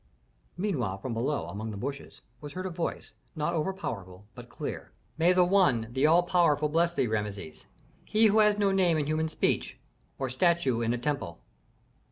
Meanwhile from below, among the bushes, was heard a voice, not over powerful, but clear, "May the One, the All Powerful, bless thee, Rameses, He who has no name in human speech, or statue in a temple."